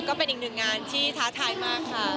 ก็เป็นอีกหนึ่งงานที่ท้าทายมากค่ะ